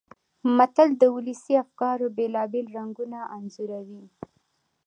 متل د ولسي افکارو بېلابېل رنګونه انځوروي